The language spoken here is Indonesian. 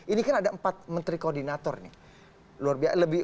ini kan ada empat menteri koordinator nih